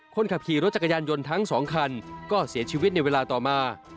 คนขับขี่รถจักรยานยนต์ทั้งสองคันก็เสียชีวิตในเวลาต่อมา